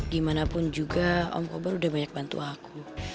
gimanapun juga om kobar udah banyak bantu aku